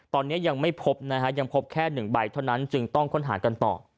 ตอนนี้ยังไม่พบนะฮะยังพบแค่๑ใบเท่านั้นจึงต้องค้นหากันต่อ